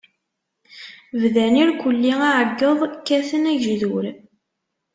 Bdan irkelli aεeggeḍ, kkaten agejdur.